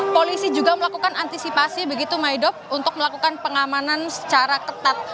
polisi juga melakukan antisipasi begitu maido untuk melakukan pengamanan secara ketat